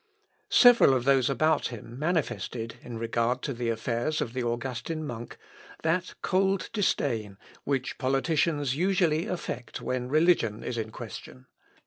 Several of those about him manifested, in regard to the affairs of the Augustin monk, that cold disdain which politicians usually affect when religion is in question.